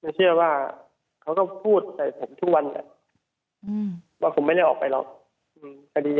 เชื่อว่าเขาก็พูดใส่ผมทุกวันว่าผมไม่ได้ออกไปหรอก